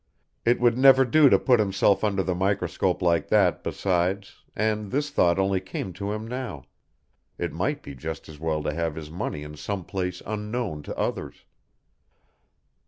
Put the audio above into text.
It would never do to put himself under the microscope like that, besides, and this thought only came to him now, it might be just as well to have his money in some place unknown to others.